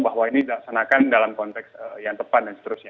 bahwa ini dilaksanakan dalam konteks yang tepat dan seterusnya